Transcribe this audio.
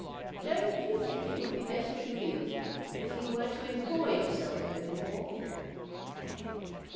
' Don't you think it would be better for you if you were to employ yourself a little more